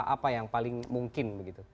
apa yang paling mungkin begitu